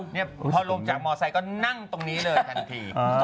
พอรวมจากมอเตอร์ไซค์ก็นั่งตรงนี้เลยทันที